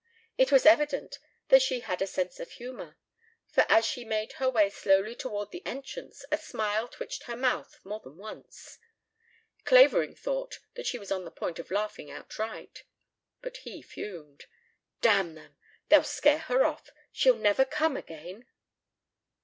It was evident that she had a sense of humor, for as she made her way slowly toward the entrance a smile twitched her mouth more than once. Clavering thought that she was on the point of laughing outright. But he fumed. "Damn them! They'll scare her off. She'll never come again."